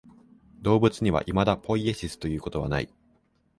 動物にはいまだポイエシスということはない。